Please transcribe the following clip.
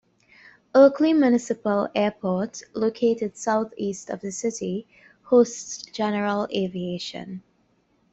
Oakley Municipal Airport, located southeast of the city, hosts general aviation.